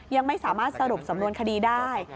ยังไม่สามารถสรุปสำนวนคดีได้